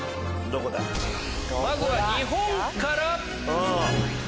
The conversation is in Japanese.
まずは日本から。